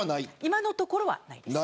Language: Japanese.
今のところはない。